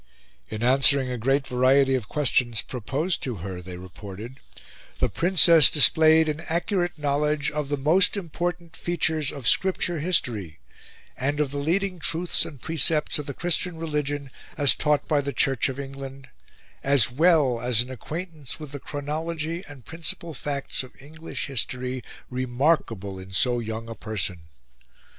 "In answering a great variety of questions proposed to her," they reported, "the Princess displayed an accurate knowledge of the most important features of Scripture History, and of the leading truths and precepts of the Christian Religion as taught by the Church of England, as well as an acquaintance with the Chronology and principal facts of English History remarkable in so young a person.